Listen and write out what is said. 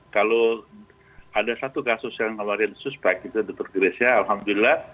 kalau ada satu kasus yang awal awal suspek itu dr gresya alhamdulillah